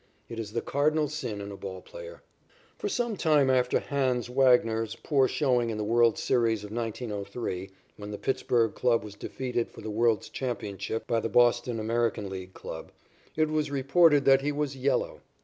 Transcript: It is the cardinal sin in a ball player. For some time after "Hans" Wagner's poor showing in the world's series of 1903, when the Pittsburg club was defeated for the World's Championship by the Boston American League club, it was reported that he was "yellow."